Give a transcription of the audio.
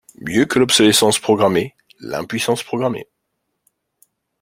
Mieux que l’obsolescence programmée, l’impuissance programmée.